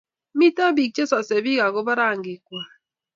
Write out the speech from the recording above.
Mito piik che sase piik akoba ranginwaiy